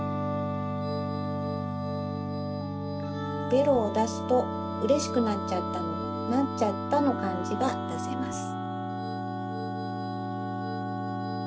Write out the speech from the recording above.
ベロをだすと「うれしくなっちゃった」の「なっちゃった」のかんじがだせます。